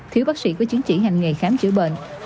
thiếu bác sĩ có chứng chỉ hành nghề khám chữa bệnh